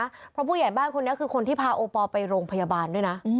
เพราะผู้ใหญ่บ้านคนนี้คือคนที่พาโอปอลไปโรงพยาบาลด้วยนะ